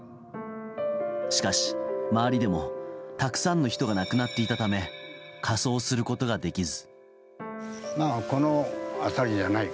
しかし、周りでもたくさんの人が亡くなっていたため火葬することができず。